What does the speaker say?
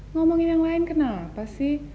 ngomongin yang lain kenapa sih